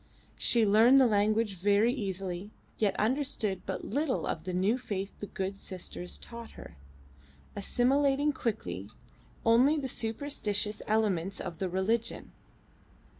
She learned the language very easily, yet understood but little of the new faith the good sisters taught her, assimilating quickly only the superstitious elements of the religion.